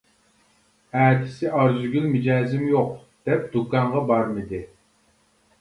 ئەتىسى ئارزۇگۈل مىجەزىم يوق، دەپ دۇكانغا بارمىدى.